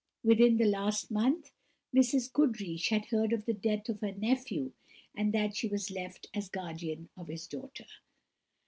Within the last month, Mrs. Goodriche had heard of the death of her nephew, and that she was left as guardian of his daughter.